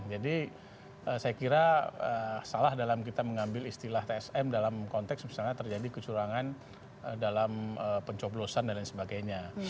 jadi saya kira salah dalam kita mengambil istilah tsm dalam konteks misalnya terjadi kecurangan dalam pencoblosan dan lain sebagainya